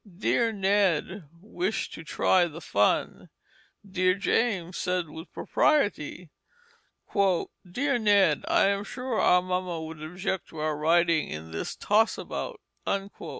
Dear Ned wished to try the fun. Dear James said with propriety, "Dear Ned, I am sure our mamma would object to our riding in this Toss about."